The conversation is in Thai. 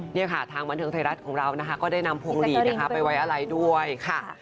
นี่ค่ะทางวันเทิงไทยรัฐของเราก็ได้นำโพงหลีดไปไว้อะไล่ด้วยค่ะ